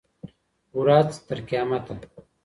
ورځ تر قیامته